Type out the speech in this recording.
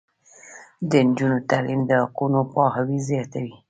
د نجونو تعلیم د حقونو پوهاوی زیاتوي.